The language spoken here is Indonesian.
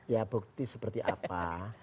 ya bukti seperti apa